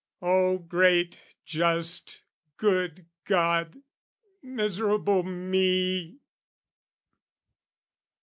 O great, just, good God! Miserable me!